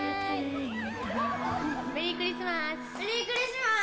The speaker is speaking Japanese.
メリークリスマス。